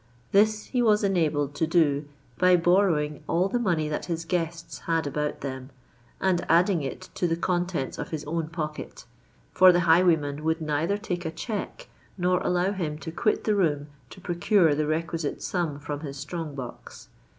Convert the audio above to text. This he was enabled to do, by borrowing all the money that his guests had about them, and adding it to the contents of his own pocket; for the highwayman would neither take a cheque nor allow him to quit the room to procure the requisite sum from his strong box.